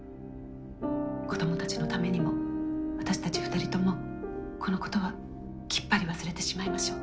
子どもたちのためにも私たち２人ともこのことはきっぱり忘れてしまいましょう。